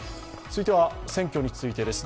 続いては選挙についてです。